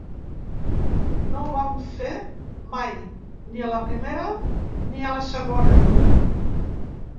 No ho vam fer mai, ni a la primera ni a la segona.